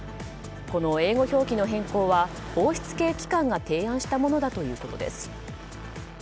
この英語表記の変更は王室系機関が提案したものだということです。